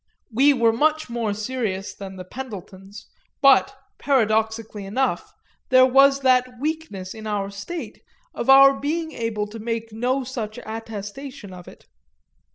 We were much more serious than the Pendletons, but, paradoxically enough, there was that weakness in our state of our being able to make no such attestation of it.